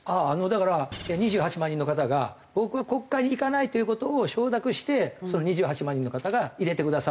だから２８万人の方が「僕は国会に行かない」という事を承諾して２８万人の方が入れてくださったという事ですね。